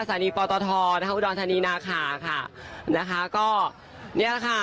อสานีปอตทนะคะอุดอนทานีนาคาค่ะนะคะก็เนี่ยค่ะ